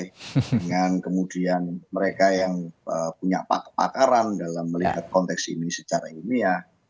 dengan kemudian mereka yang punya pakaran dalam melihat konteks ini secara ilmiah